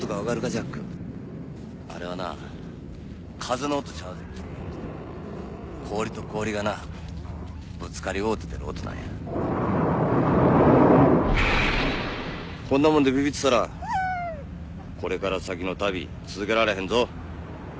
ジャックあれはな風の音ちゃうで氷と氷がなぶつかり合うて出る音なんやこんなもんでビビッてたらこれから先の旅続けられへんぞ！